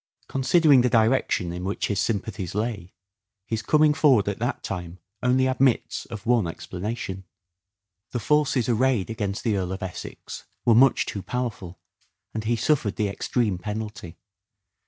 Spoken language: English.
Considering the direction in which his sympathies lay, his coming forward at that time only admits of one explanation. The forces arrayed against the Earl of Essex were much too powerful, and he suffered the extreme penalty.